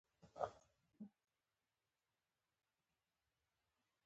نن سبا ډېری خلکو لانجو پسې بډې وهلي دي، بېځایه غولو پسې څمڅې ګرځوي.